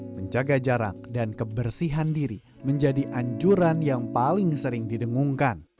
menjaga jarak dan kebersihan diri menjadi anjuran yang paling sering didengungkan